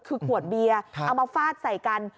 คือขวดเบียร์เอามาฟาดใส่กัน